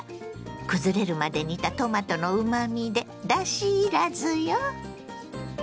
くずれるまで煮たトマトのうまみでだしいらずよ。